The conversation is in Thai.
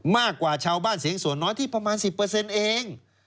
มากกว่าชาวบ้านเสียงส่วนน้อยที่ประมาณ๑๐เอง